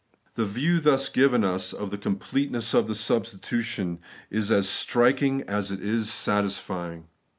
The view thus given us of the completeness of the substitution is as striking as it is satisfying.